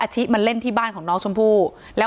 ที่มีข่าวเรื่องน้องหายตัว